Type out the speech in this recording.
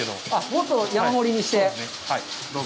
もっと山盛りにして？